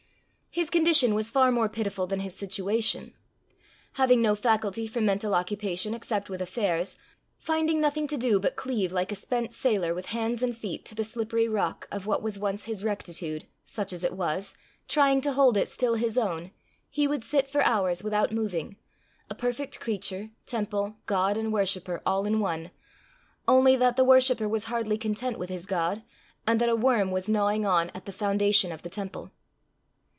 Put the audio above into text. His condition was far more pitiful than his situation. Having no faculty for mental occupation except with affairs, finding nothing to do but cleave, like a spent sailor, with hands and feet to the slippery rock of what was once his rectitude, such as it was, trying to hold it still his own, he would sit for hours without moving a perfect creature, temple, god, and worshipper, all in one only that the worshipper was hardly content with his god, and that a worm was gnawing on at the foundation of the temple.